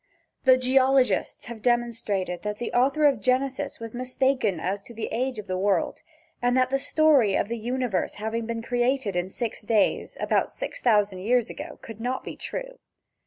The geologists demonstrated that the author of Genesis was mistaken as to the age of the world, and that the story of the universe having been created in six days, about six thousand years ago could not be true.